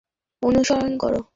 তুমি বাস অনুসরণ করো।